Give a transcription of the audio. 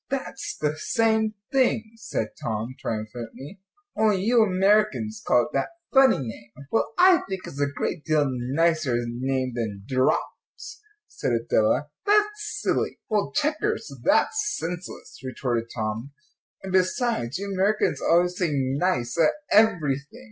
"That's the same thing," said Tom, triumphantly, "only you Americans call it that funny name." "Well, I think it's a great deal nicer name than draughts," said Adela; "that's silly." "Well, checkers; that's senseless," retorted Tom, "and, besides, you Americans always say 'nice' at everything."